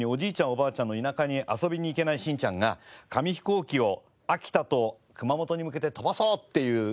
おばあちゃんの田舎に遊びに行けないしんちゃんが紙ヒコーキを秋田と熊本に向けて飛ばそうっていう事で。